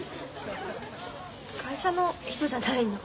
会社の人じゃないの。